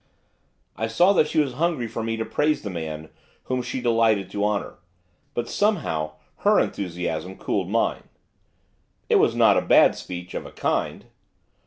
I saw that she was hungry for me to praise the man whom she delighted to honour. But, somehow, her enthusiasm cooled mine. 'It was not a bad speech, of a kind.